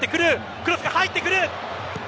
クロスが入ってくる。